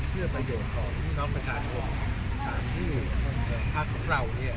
เพื่อประโยชน์ของน้องประชาชนตามที่อยู่ในภาคเรา